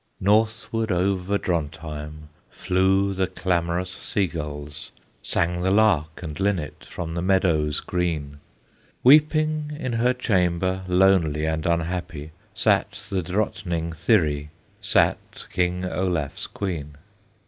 Northward over Drontheim, Flew the clamorous sea gulls, Sang the lark and linnet From the meadows green; Weeping in her chamber, Lonely and unhappy, Sat the Drottning Thyri, Sat King Olaf's Queen.